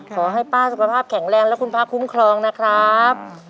ขอให้ป้าสุขภาพแข็งแรงและคุณป้าคุ้มครองนะครับ